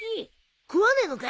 食わねえのか？